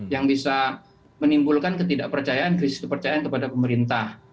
yang bisa menimbulkan ketidakpercayaan krisis kepercayaan kepada pemerintah